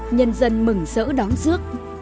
nhân dân mừng sỡ đón giước